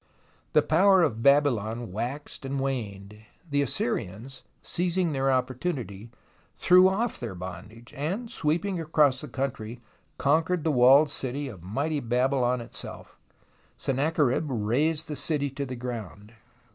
The power of Babylon waxed and waned. The Assyrians, seizing their opportunity, threw off their bondage, and, sweeping across country, conquered the walled city of mighty Babylon itself. Sennacherib razed the city to the ground.